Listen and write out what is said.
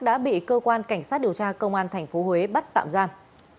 đã bị cơ quan cảnh sát điều tra công an tp huế bắt tạm giam